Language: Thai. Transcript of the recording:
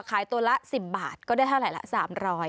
ขายตัวละ๑๐บาทก็ได้เท่าไหร่ละ๓๐๐บาท